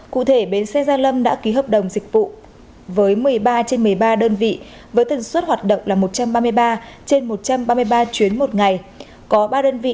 cụ thể bến xe gia lâm đã ký hợp đồng dịch vụ với một mươi ba trên một mươi ba đơn vị với tần suất hoạt động là một trăm ba mươi ba trên một trăm ba mươi ba chuyến một ngày